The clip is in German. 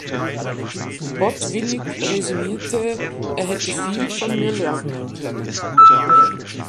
Botwinnik resümierte: „"er hätte viel von mir lernen können"“.